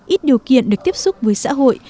ít điều kiện được tiếp xúc với xã hội